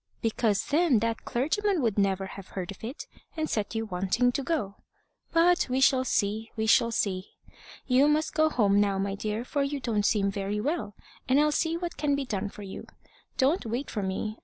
"Because then that clergyman would never have heard of it, and set you wanting to go. But we shall see. We shall see. You must go home now, my dear, for you don't seem very well, and I'll see what can be done for you. Don't wait for me.